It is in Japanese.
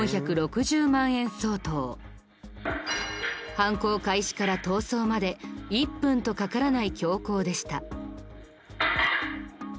犯行開始から逃走まで１分とかからない強行でした。